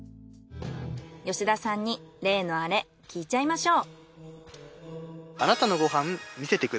吉田さんに例のアレ聞いちゃいましょう。